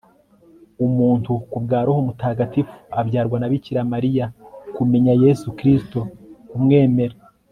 umuntu ku bwa roho mutagatifu, abyarwa na bikira mariya.kumenya yezu kristu, kumwemera